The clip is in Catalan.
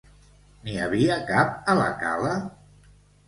N'hi havia cap a la cala?